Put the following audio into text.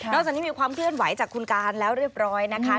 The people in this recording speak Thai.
จากนี้มีความเคลื่อนไหวจากคุณการแล้วเรียบร้อยนะคะ